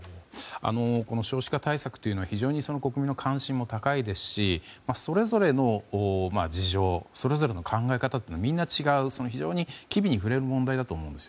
少子化対策は非常に国民の関心も高いですしそれぞれの事情それぞれの考え方はみんな違う、非常に機微に触れる問題だと思います。